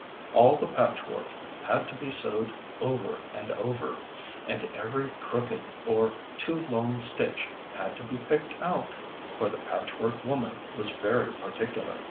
All the patchwork had to be sewed over and over, and every crooked or too long stitch had to be picked out; for the Patchwork Woman was very particular.